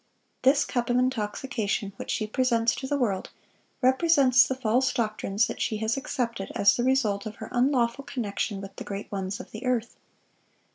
This cup of intoxication which she presents to the world, represents the false doctrines that she has accepted as the result of her unlawful connection with the great ones of the earth.